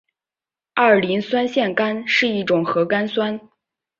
二磷酸腺苷是一种核苷酸。